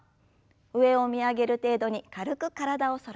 上を見上げる程度に軽く体を反らせます。